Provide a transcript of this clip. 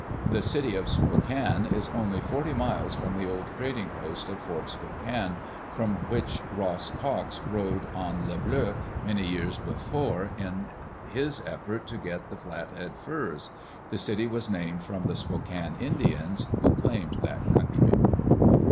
The city of Spokane is only forty miles from the old trading post of Fort Spokane, from which Ross Cox rode on Le Bleu many years before, in his effort to get the Flathead furs. The city was named from the Spokane Indians, who claimed that country.